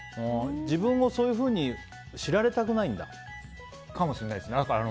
自分をそういうふうに知られたくないんだ。かもしれないですね。